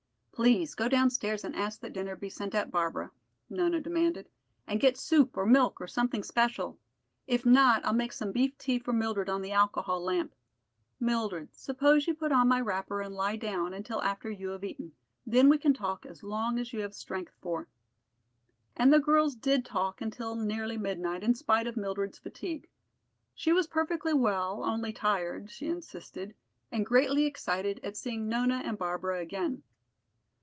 "Please go downstairs and ask that dinner be sent up, Barbara," Nona demanded. "And get soup or milk or something special; if not I'll make some beef tea for Mildred on the alcohol lamp. Mildred, suppose you put on my wrapper and lie down until after you have eaten, then we can talk as long as you have strength for." And the girls did talk until nearly midnight in spite of Mildred's fatigue. She was perfectly well, only tired, she insisted, and greatly excited at seeing Nona and Barbara again.